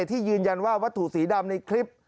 ที่ยืนยันว่าวัตถุสีดำในคลิป